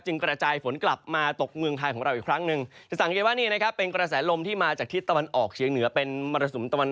จึงกระจายฝนกลับมาตกเมืองไทยของเราอีกครั้งหนึ่ง